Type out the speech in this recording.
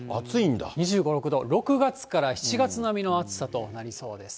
２５、６度、６月から７月並みの暑さとなりそうです。